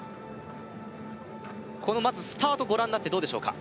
このまずスタートご覧になってどうでしょうか？